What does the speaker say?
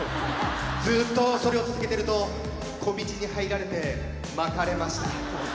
ずっとそれを続けていると小道に入られて、まかれました。